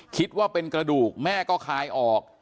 คิดว่าเป็นกระดูกแม่ก็คายออก